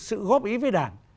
sự góp ý với đảng